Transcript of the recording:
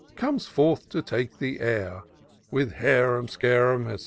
Comes forth to take the air. With harum scarum, &c.